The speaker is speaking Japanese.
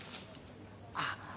あっ